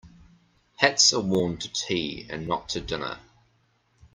Hats are worn to tea and not to dinner.